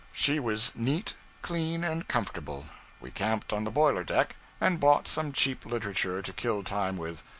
She was neat, clean, and comfortable. We camped on the boiler deck, and bought some cheap literature to kill time with.